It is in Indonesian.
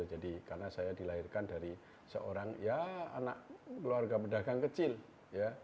jadi karena saya dilahirkan dari seorang ya anak keluarga pedagang kecil ya